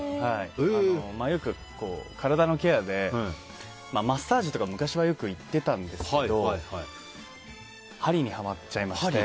よく、体のケアでマッサージとか昔はよく行ってたんですけどはりにハマっちゃいまして。